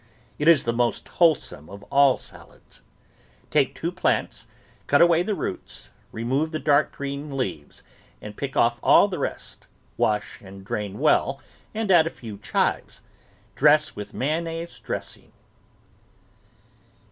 It is the most wholesome of all salads. THE VEGETABLE GARDEN Take two plants, cut away the roots, remove the dark green leaves, and pick off all the rest; wash and drain well and add a few chives; dress with mayonnaise dressing.